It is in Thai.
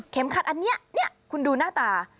ขัดอันนี้คุณดูหน้าตา